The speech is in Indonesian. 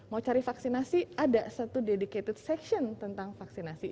mau cari vaksinasi ada satu dedicated section tentang vaksinasi